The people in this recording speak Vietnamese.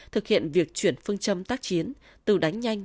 thực hiện việc chuyển phương châm tác chiến từ đánh nhanh